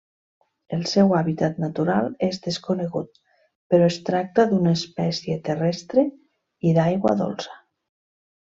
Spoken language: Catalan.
El seu hàbitat natural és desconegut però es tracta d'una espècie terrestre i d'aigua dolça.